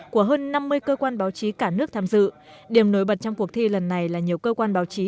của hơn năm mươi cơ quan báo chí cả nước tham dự điểm nối bật trong cuộc thi lần này là nhiều cơ quan báo chí